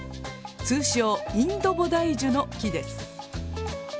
通称「インドボダイジュ」の木です。